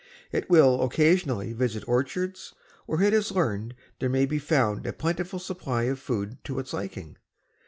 It will occasionally visit orchards where it has learned there may be found a plentiful supply of food to its liking.